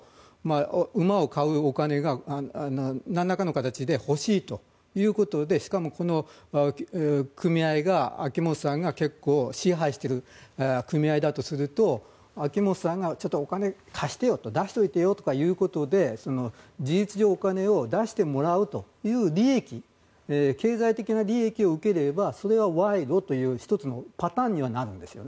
馬を買うお金を何らかの形で欲しいということでしかも、組合が秋本さんが結構支配してる組合だとすると秋本さんがちょっとお金貸してよと出しておいてよということで事実上、お金を出してもらうという利益経済的な利益を受ければそれは賄賂という１つのパターンにはなります。